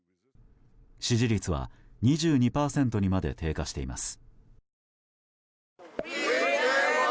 支持率は２２％にまで低下しています。